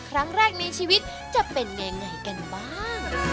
ครั้งแรกในชีวิตจะเป็นยังไงกันบ้าง